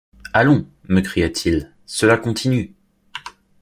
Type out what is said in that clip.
Allons! me cria-t-il, cela continue !